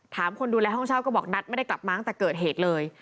คนดูแลห้องเช่าก็บอกนัทไม่ได้กลับมาตั้งแต่เกิดเหตุเลย